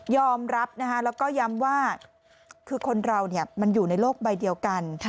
รับแล้วก็ย้ำว่าคือคนเรามันอยู่ในโลกใบเดียวกัน